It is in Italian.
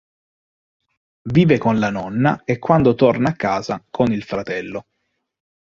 Vive con la nonna e, quando torna a casa, con il fratello.